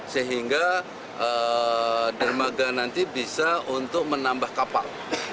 sehingga dermaga nanti bisa untuk menambah kapal